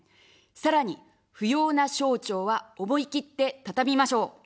さらに、不要な省庁は思い切ってたたみましょう。